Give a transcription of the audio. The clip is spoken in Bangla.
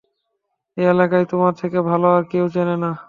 এই এলাকা তোমার থেকে ভাল আর কেউ চেনে না।